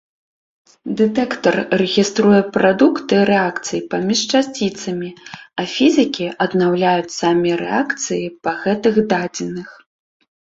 Дэтэктар рэгіструе прадукты рэакцый паміж часціцамі, і фізікі аднаўляюць самі рэакцыі па гэтых дадзеных.